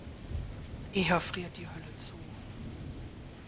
Eher friert die Hölle zu.